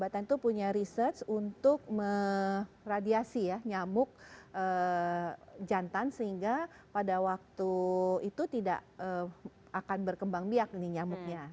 batan itu punya research untuk meradiasi ya nyamuk jantan sehingga pada waktu itu tidak akan berkembang biak nih nyamuknya